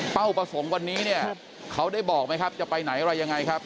ประสงค์วันนี้เนี่ยเขาได้บอกไหมครับจะไปไหนอะไรยังไงครับ